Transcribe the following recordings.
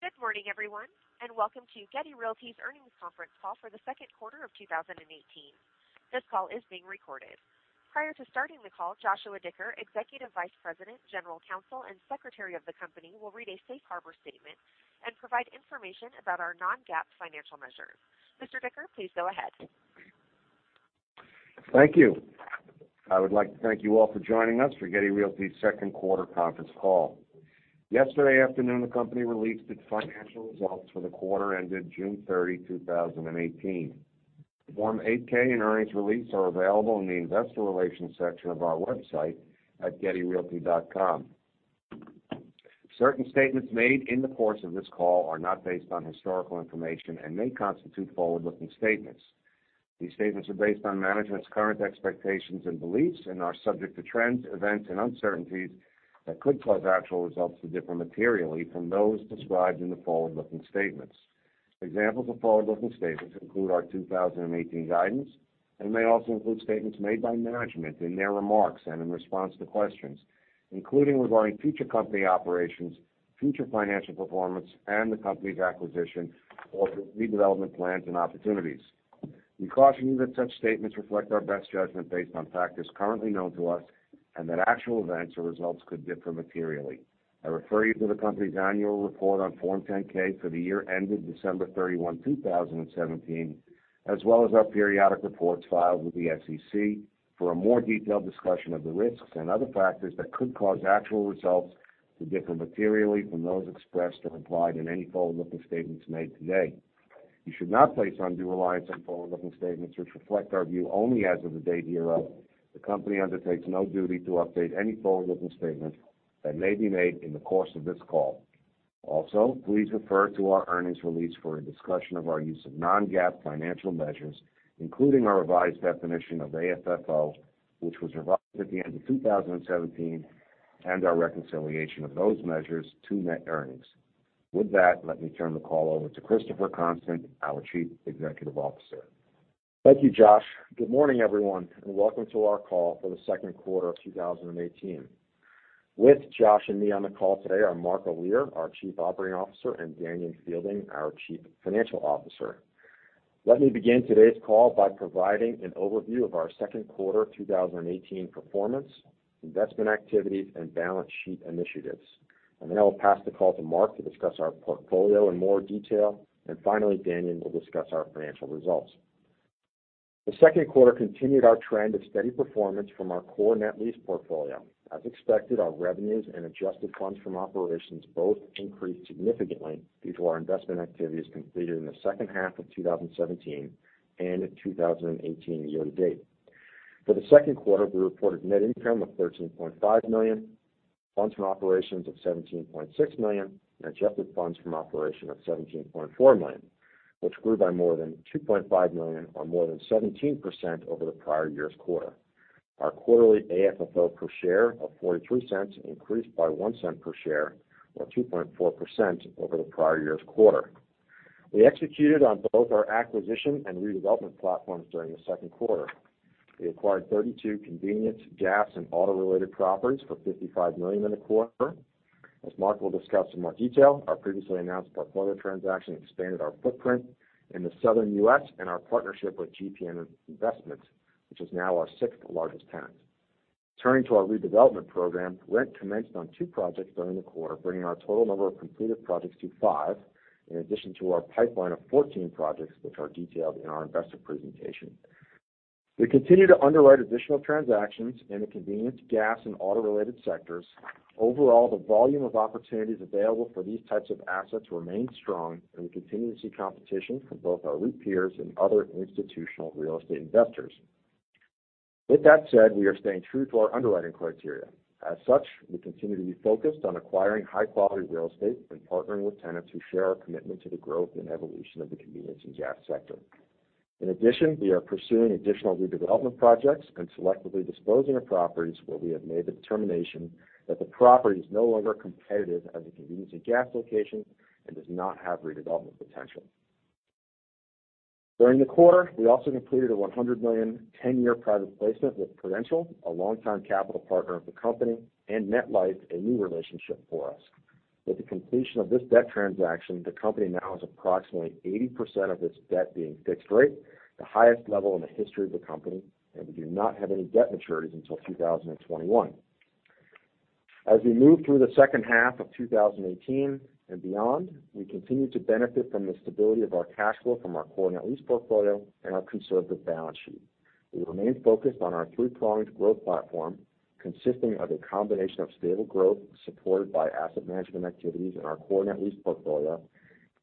Good morning, everyone, and welcome to Getty Realty's Earnings Conference Call for the second quarter of 2018. This call is being recorded. Prior to starting the call, Joshua Dicker, Executive Vice President, General Counsel, and Secretary of the company will read a safe harbor statement and provide information about our non-GAAP financial measures. Mr. Dicker, please go ahead. Thank you. I would like to thank you all for joining us for Getty Realty's second quarter conference call. Yesterday afternoon, the company released its financial results for the quarter ended June 30, 2018. Form 8-K and earnings release are available in the investor relations section of our website at gettyrealty.com. Certain statements made in the course of this call are not based on historical information and may constitute forward-looking statements. These statements are based on management's current expectations and beliefs and are subject to trends, events, and uncertainties that could cause actual results to differ materially from those described in the forward-looking statements. Examples of forward-looking statements include our 2018 guidance and may also include statements made by management in their remarks and in response to questions, including regarding future company operations, future financial performance, and the company's acquisition or redevelopment plans and opportunities. We caution you that such statements reflect our best judgment based on factors currently known to us, and that actual events or results could differ materially. I refer you to the company's annual report on Form 10-K for the year ended December 31, 2017, as well as our periodic reports filed with the SEC for a more detailed discussion of the risks and other factors that could cause actual results to differ materially from those expressed or implied in any forward-looking statements made today. You should not place undue reliance on forward-looking statements, which reflect our view only as of the date hereof. The company undertakes no duty to update any forward-looking statement that may be made in the course of this call. Also, please refer to our earnings release for a discussion of our use of non-GAAP financial measures, including our revised definition of AFFO, which was revised at the end of 2017, and our reconciliation of those measures to net earnings. With that, let me turn the call over to Christopher Constant, our Chief Executive Officer. Thank you, Josh. Good morning, everyone, and welcome to our call for the second quarter of 2018. With Josh and me on the call today are Mark Olear, our Chief Operating Officer, and Danion Fielding, our Chief Financial Officer. Let me begin today's call by providing an overview of our second quarter 2018 performance, investment activities, and balance sheet initiatives. I will pass the call to Mark to discuss our portfolio in more detail. Finally, Danion will discuss our financial results. The second quarter continued our trend of steady performance from our core net lease portfolio. As expected, our revenues and adjusted funds from operations both increased significantly due to our investment activities completed in the second half of 2017 and in 2018 year to date. For the second quarter, we reported net income of $13.5 million, funds from operations of $17.6 million, and adjusted funds from operation of $17.4 million, which grew by more than $2.5 million or more than 17% over the prior year's quarter. Our quarterly AFFO per share of $0.43 increased by $0.01 per share or 2.4% over the prior year's quarter. We executed on both our acquisition and redevelopment platforms during the second quarter. We acquired 32 convenience gas and auto-related properties for $55 million in the quarter. As Mark will discuss in more detail, our previously announced portfolio transaction expanded our footprint in the Southern U.S. and our partnership with GPM Investments, which is now our sixth-largest tenant. Turning to our redevelopment program, rent commenced on two projects during the quarter, bringing our total number of completed projects to five, in addition to our pipeline of 14 projects, which are detailed in our investor presentation. We continue to underwrite additional transactions in the convenience, gas, and auto-related sectors. Overall, the volume of opportunities available for these types of assets remains strong. We continue to see competition from both our REIT peers and other institutional real estate investors. With that said, we are staying true to our underwriting criteria. As such, we continue to be focused on acquiring high-quality real estate and partnering with tenants who share our commitment to the growth and evolution of the convenience and gas sector. In addition, we are pursuing additional redevelopment projects and selectively disposing of properties where we have made the determination that the property is no longer competitive as a convenience and gas location and does not have redevelopment potential. During the quarter, we also completed a $100 million 10-year private placement with Prudential, a longtime capital partner of the company, and MetLife, a new relationship for us. With the completion of this debt transaction, the company now has approximately 80% of its debt being fixed rate, the highest level in the history of the company. We do not have any debt maturities until 2021. As we move through the second half of 2018 and beyond, we continue to benefit from the stability of our cash flow from our core net lease portfolio and our conservative balance sheet. We remain focused on our three-pronged growth platform, consisting of a combination of stable growth supported by asset management activities in our core net lease portfolio,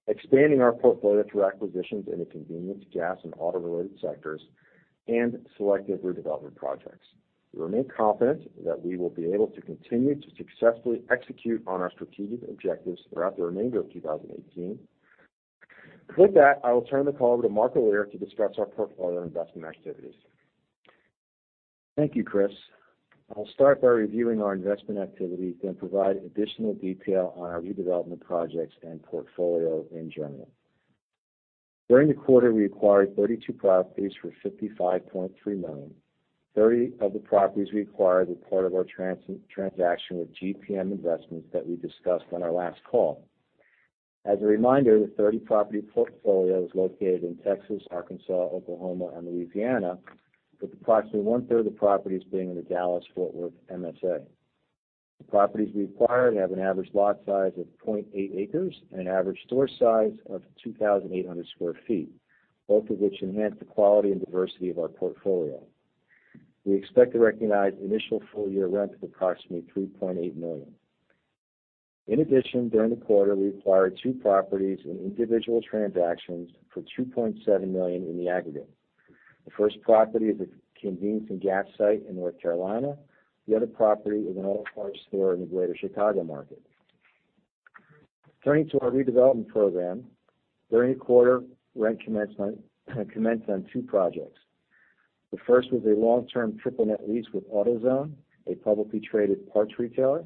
expanding our portfolio through acquisitions in the convenience, gas, and auto-related sectors, and selective redevelopment projects. We remain confident that we will be able to continue to successfully execute on our strategic objectives throughout the remainder of 2018. With that, I will turn the call over to Mark Olear to discuss our portfolio investment activities. Thank you, Chris. I'll start by reviewing our investment activities, then provide additional detail on our redevelopment projects and portfolio in general. During the quarter, we acquired 32 properties for $55.3 million. 30 of the properties we acquired were part of our transaction with GPM Investments that we discussed on our last call. As a reminder, the 30-property portfolio is located in Texas, Arkansas, Oklahoma, and Louisiana, with approximately one-third of the properties being in the Dallas-Fort Worth MSA. The properties we acquired have an average lot size of 0.8 acres and an average store size of 2,800 sq ft, both of which enhance the quality and diversity of our portfolio. We expect to recognize initial full-year rent of approximately $3.8 million. In addition, during the quarter, we acquired two properties in individual transactions for $2.7 million in the aggregate. The first property is a convenience and gas site in North Carolina. The other property is an auto parts store in the Greater Chicago market. Turning to our redevelopment program, during the quarter, rent commenced on two projects. The first was a long-term triple net lease with AutoZone, a publicly traded parts retailer.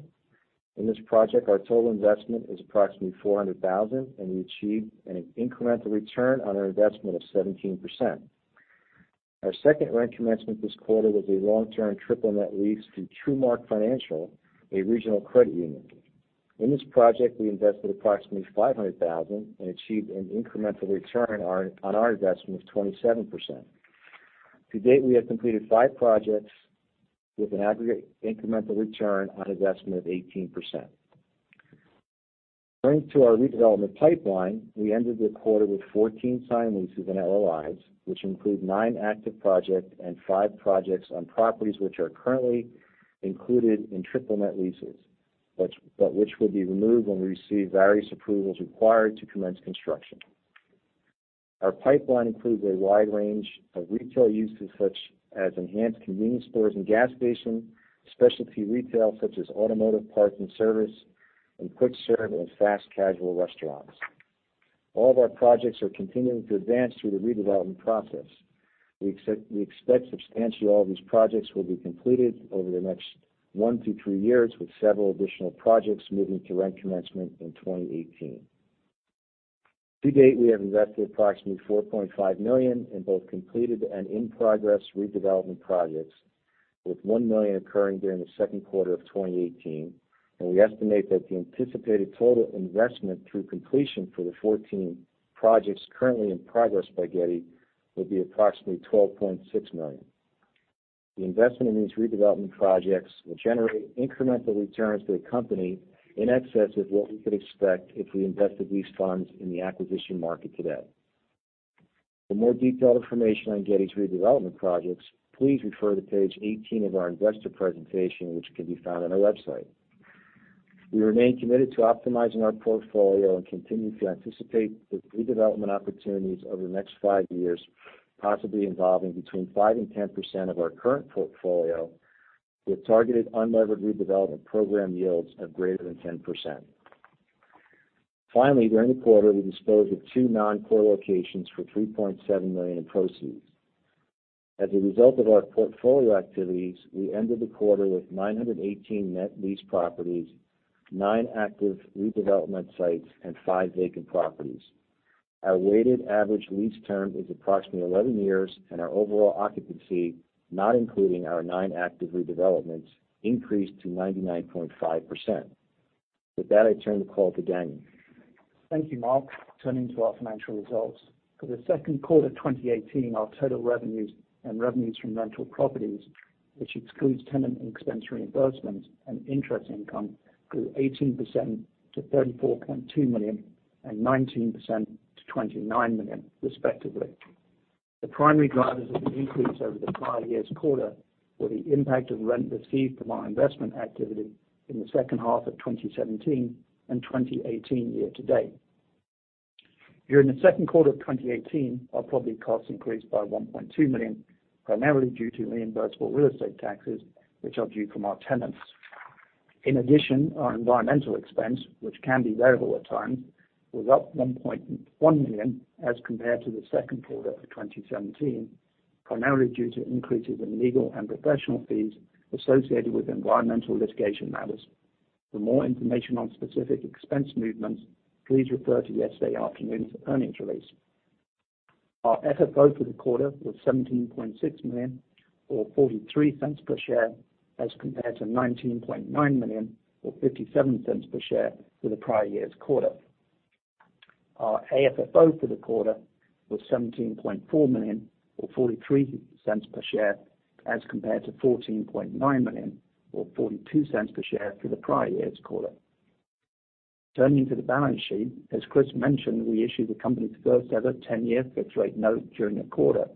In this project, our total investment is approximately $400,000, and we achieved an incremental return on our investment of 17%. Our second rent commencement this quarter was a long-term triple net lease through TruMark Financial, a regional credit union. In this project, we invested approximately $500,000 and achieved an incremental return on our investment of 27%. To date, we have completed five projects with an aggregate incremental return on investment of 18%. Turning to our redevelopment pipeline, we ended the quarter with 14 signed leases and LOIs, which include nine active projects and five projects on properties which are currently included in triple net leases, but which will be removed when we receive various approvals required to commence construction. Our pipeline includes a wide range of retail uses such as enhanced convenience stores and gas stations, specialty retail such as automotive parts and service, and quick serve and fast casual restaurants. All of our projects are continuing to advance through the redevelopment process. We expect substantially all of these projects will be completed over the next one to three years, with several additional projects moving to rent commencement in 2018. To date, we have invested approximately $4.5 million in both completed and in-progress redevelopment projects, with $1 million occurring during the second quarter of 2018, and we estimate that the anticipated total investment through completion for the 14 projects currently in progress by Getty will be approximately $12.6 million. The investment in these redevelopment projects will generate incremental returns to the company in excess of what we could expect if we invested these funds in the acquisition market today. For more detailed information on Getty's redevelopment projects, please refer to page 18 of our investor presentation, which can be found on our website. We remain committed to optimizing our portfolio and continue to anticipate the redevelopment opportunities over the next five years, possibly involving between 5% and 10% of our current portfolio, with targeted unlevered redevelopment program yields of greater than 10%. Finally, during the quarter, we disposed of two non-core locations for $3.7 million in proceeds. As a result of our portfolio activities, we ended the quarter with 918 net leased properties, nine active redevelopment sites, and five vacant properties. Our weighted average lease term is approximately 11 years, and our overall occupancy, not including our nine active redevelopments, increased to 99.5%. With that, I turn the call to Danion. Thank you, Mark. Turning to our financial results. For the second quarter of 2018, our total revenues and revenues from rental properties, which excludes tenant expense reimbursements and interest income, grew 18% to $34.2 million and 19% to $29 million respectively. The primary drivers of the increase over the prior year's quarter were the impact of rent received from our investment activity in the second half of 2017 and 2018 year to date. During the second quarter of 2018, our property costs increased by $1.2 million, primarily due to reimbursable real estate taxes, which are due from our tenants. In addition, our environmental expense, which can be variable at times, was up $1.1 million as compared to the second quarter of 2017, primarily due to increases in legal and professional fees associated with environmental litigation matters. For more information on specific expense movements, please refer to yesterday afternoon's earnings release. Our FFO for the quarter was $17.6 million, or $0.43 per share, as compared to $19.9 million or $0.57 per share for the prior year's quarter. Our AFFO for the quarter was $17.4 million or $0.43 per share as compared to $14.9 million or $0.42 per share for the prior year's quarter. Turning to the balance sheet. As Chris mentioned, we issued the company's first-ever 10-year fixed rate note during the quarter.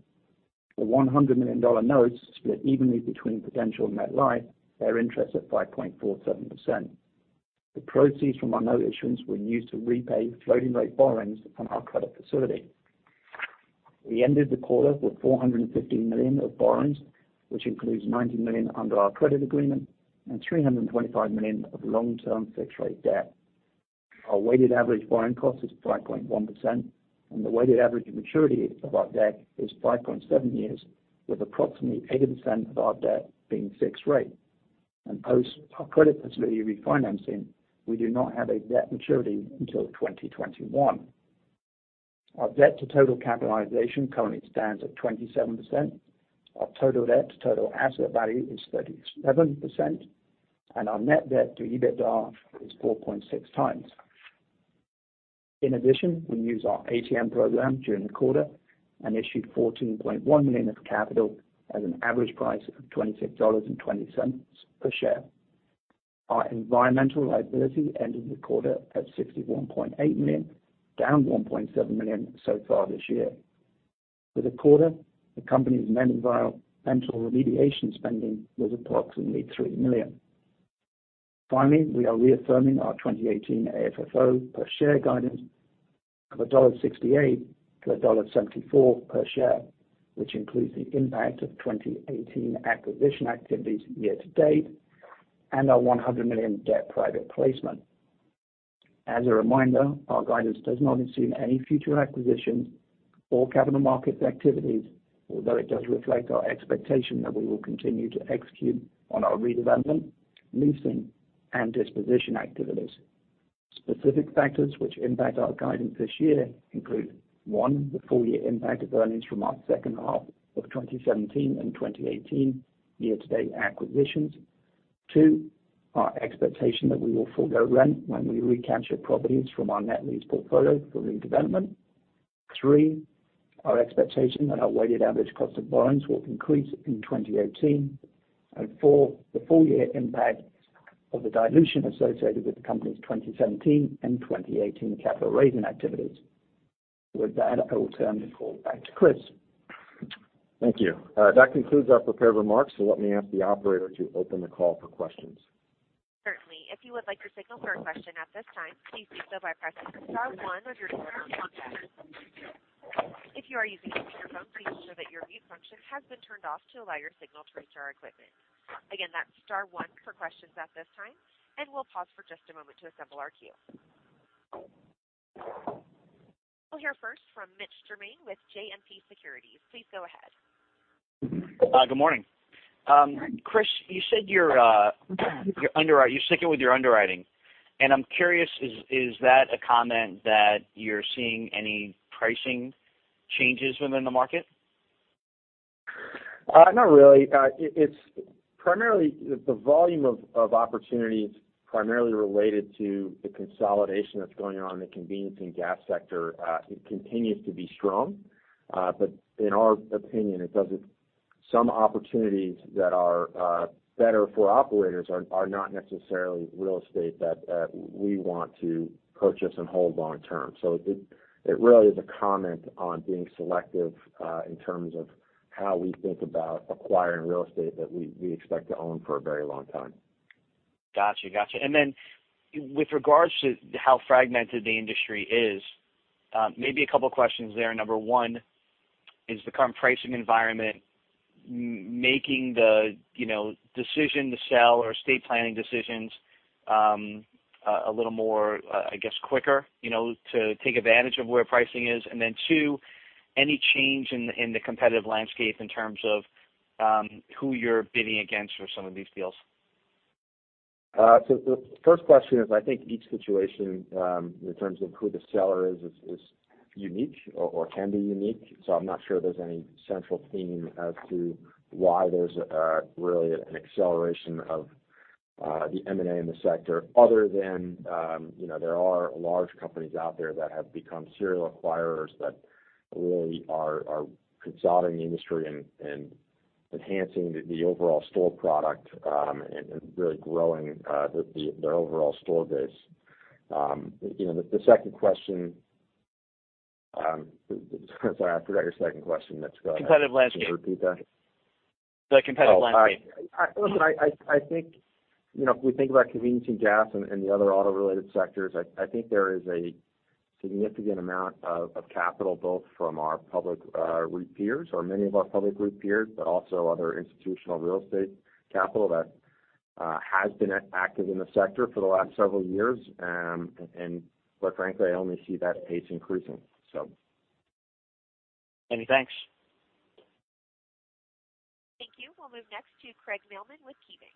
The $100 million note is split evenly between Prudential and MetLife, bear interest at 5.47%. The proceeds from our note issuance were used to repay floating rate borrowings from our credit facility. We ended the quarter with $450 million of borrowings, which includes $90 million under our credit agreement and $325 million of long-term fixed rate debt. Our weighted average borrowing cost is 5.1%, the weighted average maturity of our debt is 5.7 years, with approximately 80% of our debt being fixed rate. Post our credit facility refinancing, we do not have a debt maturity until 2021. Our debt to total capitalization currently stands at 27%. Our total debt to total asset value is 37%, and our net debt to EBITDA is 4.6 times. In addition, we used our ATM program during the quarter and issued $14.1 million of capital at an average price of $26.20 per share. Our environmental liability ended the quarter at $61.8 million, down $1.7 million so far this year. For the quarter, the company's environmental remediation spending was approximately $3 million. Finally, we are reaffirming our 2018 AFFO per share guidance of $1.68-$1.74 per share, which includes the impact of 2018 acquisition activities year to date and our $100 million debt private placement. As a reminder, our guidance does not assume any future acquisitions or capital market activities, although it does reflect our expectation that we will continue to execute on our redevelopment, leasing, and disposition activities. Specific factors which impact our guidance this year include, 1, the full year impact of earnings from our second half of 2017 and 2018 year to date acquisitions. 2, our expectation that we will forego rent when we recapture properties from our net lease portfolio for redevelopment. 3, our expectation that our weighted average cost of borrowings will increase in 2018. 4, the full year impact of the dilution associated with the company's 2017 and 2018 capital raising activities. With that, I will turn the call back to Chris. Thank you. That concludes our prepared remarks, let me ask the operator to open the call for questions. Certainly. If you would like to signal for a question at this time, please do so by pressing star one on your telephone keypad. If you are using a speakerphone, please ensure that your mute function has been turned off to allow your signal to reach our equipment. Again, that's star one for questions at this time, and we'll pause for just a moment to assemble our queue. We'll hear first from Mitch Germain with JMP Securities. Please go ahead. Good morning. Good morning. Chris, you said you're sticking with your underwriting, and I'm curious, is that a comment that you're seeing any pricing changes within the market? Not really. The volume of opportunities primarily related to the consolidation that's going on in the convenience and gas sector. It continues to be strong. In our opinion, some opportunities that are better for operators are not necessarily real estate that we want to purchase and hold long term. It really is a comment on being selective, in terms of how we think about acquiring real estate that we expect to own for a very long time. Got you. With regards to how fragmented the industry is, maybe a couple of questions there. Number 1, is the current pricing environment making the decision to sell or estate planning decisions a little more quicker to take advantage of where pricing is? 2, any change in the competitive landscape in terms of who you're bidding against for some of these deals? The first question is, I think each situation, in terms of who the seller is unique or can be unique. I'm not sure there's any central theme as to why there's really an acceleration of the M&A in the sector other than there are large companies out there that have become serial acquirers that really are consolidating the industry and enhancing the overall store product, and really growing their overall store base. The second question, sorry, I forgot your second question, Mitch. Competitive landscape. Can you repeat that? The competitive landscape. Look, I think if we think about convenience and gas and the other auto-related sectors, I think there is a significant amount of capital, both from our public REIT peers or many of our public REIT peers, but also other institutional real estate capital that has been active in the sector for the last several years. Quite frankly, I only see that pace increasing. Many thanks. Thank you. We'll move next to Craig Mailman with KeyBanc.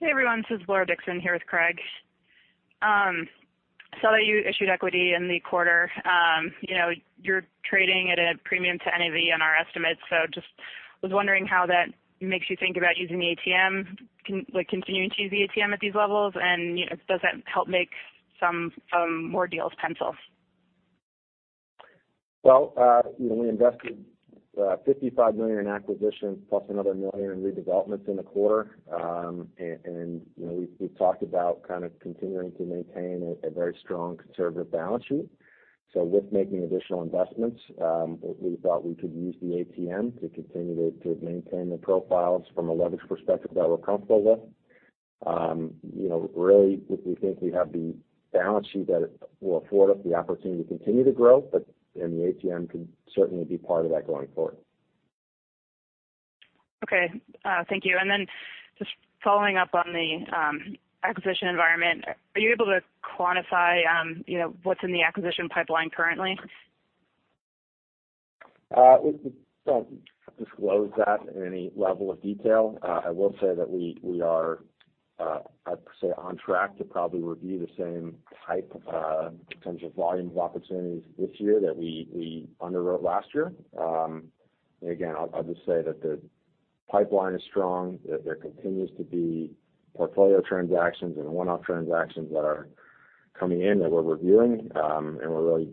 Hey, everyone, this is Laura Dixon, here with Craig. I saw that you issued equity in the quarter. You're trading at a premium to NAV in our estimates, just was wondering how that makes you think about using the ATM, like continuing to use the ATM at these levels, and does that help make some more deals pencil? Well, we invested $55 million in acquisitions plus another $1 million in redevelopments in the quarter. We've talked about kind of continuing to maintain a very strong conservative balance sheet. With making additional investments, we thought we could use the ATM to continue to maintain the profiles from a leverage perspective that we're comfortable with. Really, we think we have the balance sheet that will afford us the opportunity to continue to grow, in the ATM can certainly be part of that going forward. Okay. Thank you. Then just following up on the acquisition environment, are you able to quantify what's in the acquisition pipeline currently? We won't disclose that in any level of detail. I will say that we are on track to probably review the same type of potential volume of opportunities this year that we underwrote last year. Again, I'll just say that the pipeline is strong, that there continues to be portfolio transactions and one-off transactions that are coming in that we're reviewing, and we're really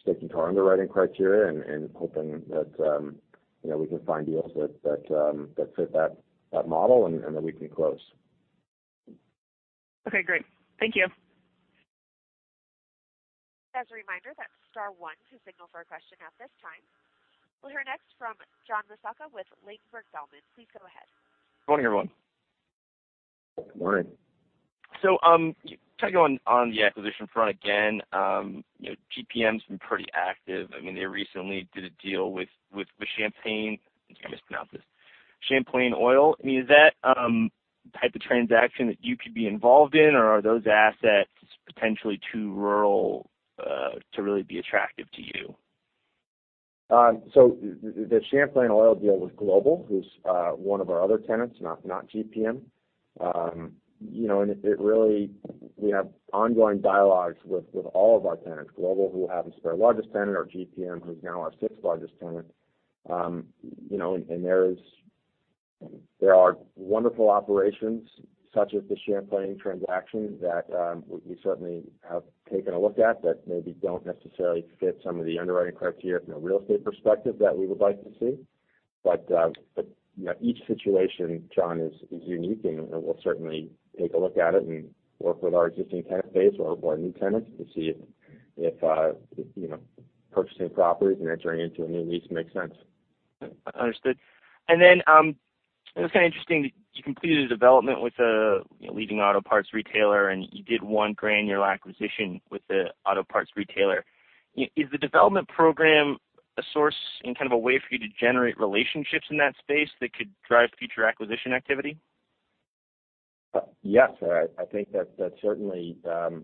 sticking to our underwriting criteria and hoping that we can find deals that fit that model and that we can close. Okay, great. Thank you. As a reminder, that's star one to signal for a question at this time. We'll hear next from John Visotcky with Ladenburg Thalmann. Please go ahead. Good morning, everyone. Good morning. Trying to go on the acquisition front again. GPM's been pretty active. They recently did a deal with Champlain Oil. Is that type of transaction that you could be involved in, or are those assets potentially too rural to really be attractive to you? The Champlain Oil deal was Global, who's one of our other tenants, not GPM. We have ongoing dialogues with all of our tenants, Global, who happens to be our largest tenant, or GPM, who's now our sixth largest tenant. There are wonderful operations such as the Champlain transaction that we certainly have taken a look at, but maybe don't necessarily fit some of the underwriting criteria from a real estate perspective that we would like to see. Each situation, John, is unique, and we'll certainly take a look at it and work with our existing tenant base or new tenants to see if purchasing properties and entering into a new lease makes sense. Understood. It was kind of interesting that you completed a development with a leading auto parts retailer, and you did one granular acquisition with the auto parts retailer. Is the development program a source and kind of a way for you to generate relationships in that space that could drive future acquisition activity? Yes. I think that's certainly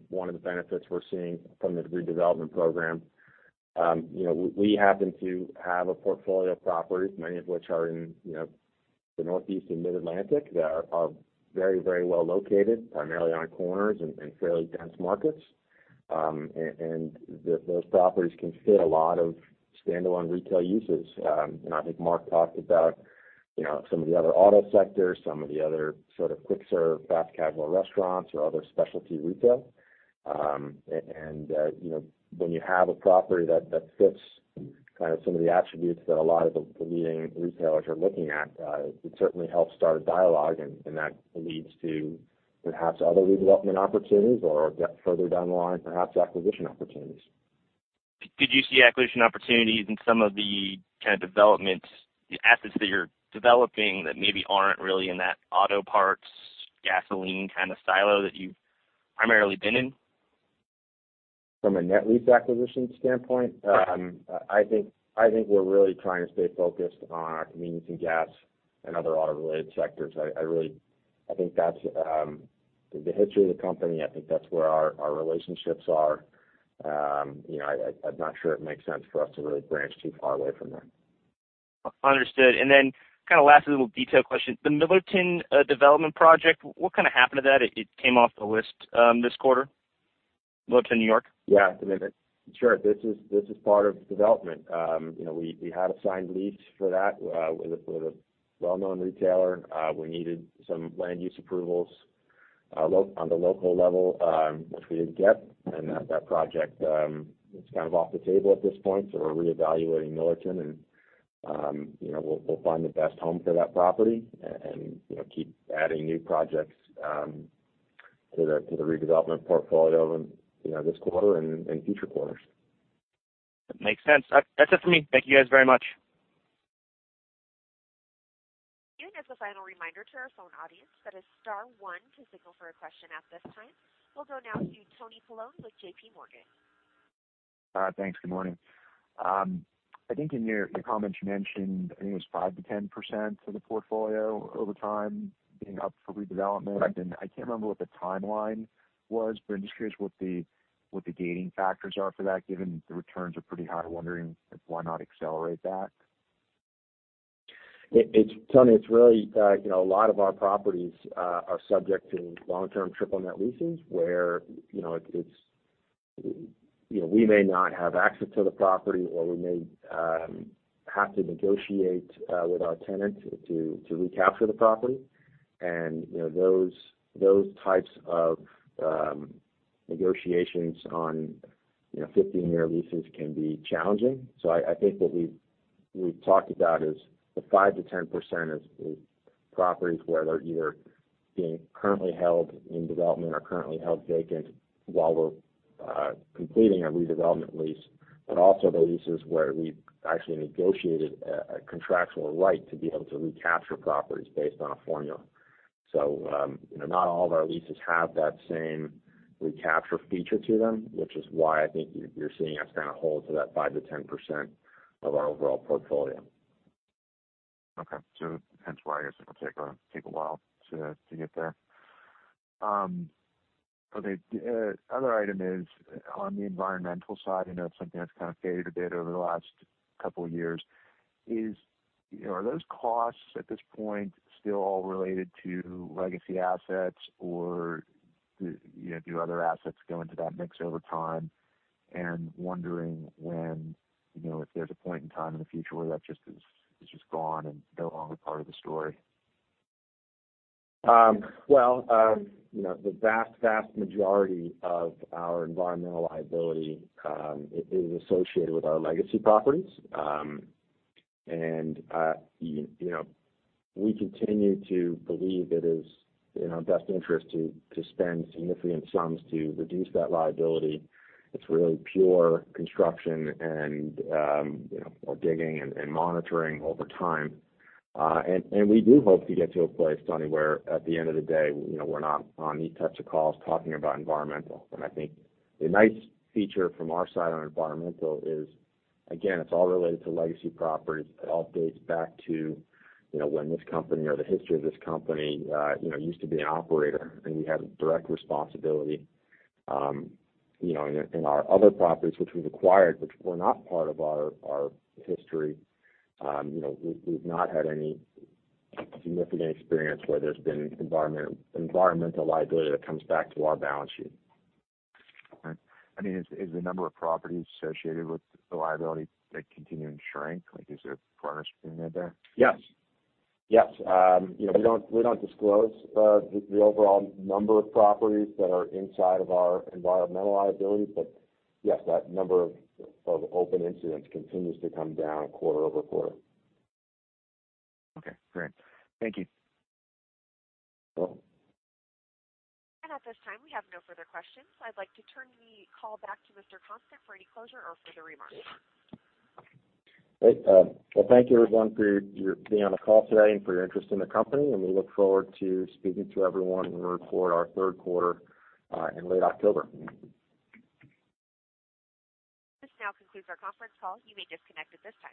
one of the benefits we're seeing from the redevelopment program. We happen to have a portfolio of properties, many of which are in the Northeast and Mid-Atlantic, that are very well located, primarily on corners in fairly dense markets. Those properties can fit a lot of standalone retail uses. I think Mark talked about some of the other auto sectors, some of the other sort of quick-serve fast casual restaurants or other specialty retail. When you have a property that fits kind of some of the attributes that a lot of the leading retailers are looking at, it certainly helps start a dialogue, and that leads to perhaps other redevelopment opportunities or further down the line, perhaps acquisition opportunities. Could you see acquisition opportunities in some of the kind of assets that you're developing that maybe aren't really in that auto parts, gasoline kind of silo that you've primarily been in? From a net lease acquisition standpoint, I think we're really trying to stay focused on our convenience and gas and other auto-related sectors. I think that's the history of the company. I think that's where our relationships are. I'm not sure it makes sense for us to really branch too far away from that. Understood. Then kind of last little detail question. The Millerton development project, what kind of happened to that? It came off the list this quarter. Millerton, N.Y. Yeah. Sure. This is part of development. We had a signed lease for that with a well-known retailer. We needed some land use approvals on the local level, which we didn't get. That project is kind of off the table at this point. We're reevaluating Millerton, and we'll find the best home for that property and keep adding new projects to the redevelopment portfolio this quarter and in future quarters. Makes sense. That's it for me. Thank you guys very much. As a final reminder to our phone audience, that is star one to signal for a question at this time. We'll go now to Anthony Paolone with J.P. Morgan. Thanks. Good morning. I think in your comments you mentioned, I think it was 5%-10% of the portfolio over time being up for redevelopment. Correct. I can't remember what the timeline was, but I'm just curious what the gating factors are for that, given the returns are pretty high. I'm wondering why not accelerate that. Tony, a lot of our properties are subject to long-term triple net leases, where we may not have access to the property, or we may have to negotiate with our tenant to recapture the property. Those types of negotiations on 15-year leases can be challenging. I think what we've talked about is the 5%-10% is properties where they're either being currently held in development or currently held vacant while we're completing a redevelopment lease, but also those leases where we've actually negotiated a contractual right to be able to recapture properties based on a formula. Not all of our leases have that same recapture feature to them, which is why I think you're seeing us kind of hold to that 5%-10% of our overall portfolio. Okay. Hence why I guess it'll take a while to get there. Okay. Other item is on the environmental side, I know it's something that's kind of faded a bit over the last couple of years. Are those costs at this point still all related to legacy assets, or do other assets go into that mix over time? Wondering when, if there's a point in time in the future where that just is gone and no longer part of the story. Well, the vast majority of our environmental liability is associated with our legacy properties. We continue to believe it is in our best interest to spend significant sums to reduce that liability. It's really pure construction and digging and monitoring over time. We do hope to get to a place, Tony, where at the end of the day, we're not on these types of calls talking about environmental. I think the nice feature from our side on environmental is, again, it's all related to legacy properties. It all dates back to when this company or the history of this company used to be an operator, and we had a direct responsibility. In our other properties which we've acquired, which were not part of our history, we've not had any significant experience where there's been environmental liability that comes back to our balance sheet. All right. Is the number of properties associated with the liability continuing to shrink? Like, is there progress being made there? Yes. We don't disclose the overall number of properties that are inside of our environmental liability. Yes, that number of open incidents continues to come down quarter-over-quarter. Okay, great. Thank you. You're welcome. At this time, we have no further questions. I'd like to turn the call back to Mr. Constant for any closure or further remarks. Great. Well, thank you everyone for being on the call today and for your interest in the company, and we look forward to speaking to everyone when we report our third quarter in late October. This now concludes our conference call. You may disconnect at this time.